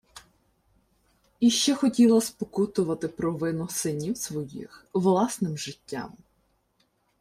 І ще хотіла спокутувати провину синів своїх власним життям.